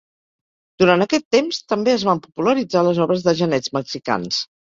Durant aquest temps, també es van popularitzar les obres de genets mexicans.